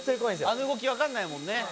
あの動き分かんないもんね